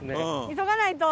急がないと！